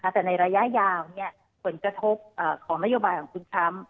แต่ในระยะยาวผลกระทบของนโยบายของคุณทรัมป์